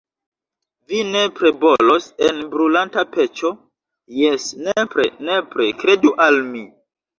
Vi nepre bolos en brulanta peĉo, jes, nepre, nepre, kredu al mi!